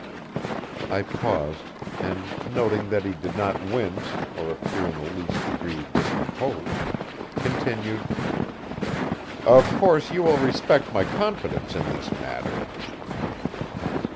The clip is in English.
I paused, and noting that he did not wince or appear in the least degree discomposed, continued: "Of course you will respect my confidence in this matter.